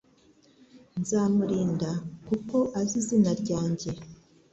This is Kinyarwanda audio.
nzamurinda kuko azi izina ryanjye